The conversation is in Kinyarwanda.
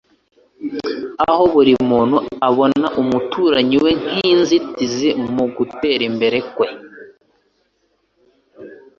Aho buri muntu abona umuturariyi we nk'inzitizi mu kujya mbere kwe